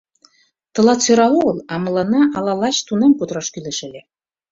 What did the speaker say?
— Тылат сӧрал огыл, а мыланна ала лач тунам кутыраш кӱлеш ыле?..